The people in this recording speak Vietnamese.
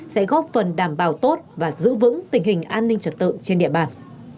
sẽ góp phần đảm bảo tốt và giữ vững tình hình an ninh trật tự trên địa bàn